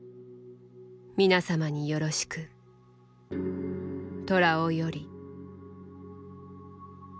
皆様によろしく。寅雄より」。